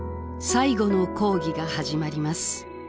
「最後の講義」が始まります。